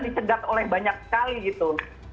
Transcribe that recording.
dicegat oleh banyak sekali gitu